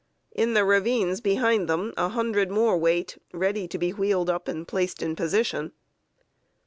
In the ravines behind them a hundred more wait, ready to be wheeled up and placed in position.